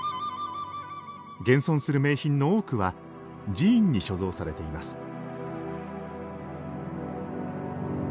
現存する名品の多くは寺院に所蔵されています